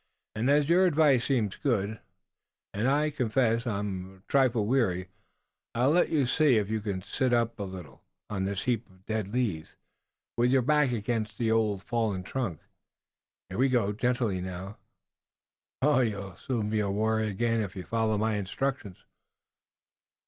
And as your advice seems good, and I confess I'm a trifle weary, I'll let you see if you can sit up a little on this heap of dead leaves, with your back against this old fallen trunk. Here we go! Gently now! Oh, you'll soon be a warrior again, if you follow my instructions!"